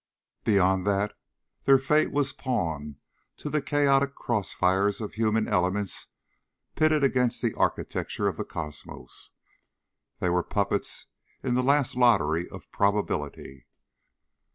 Beyond that their fate was pawn to the chaotic cross fires of human elements pitted against the architecture of the cosmos. They were puppets in the last lottery of probability.